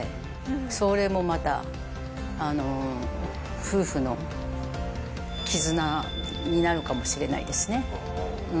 それもまた、夫婦の絆になるかもしれないですね。